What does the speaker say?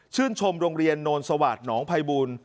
ชื่นชมโรงเรียนนท์สวัสดิ์หนองไพบูล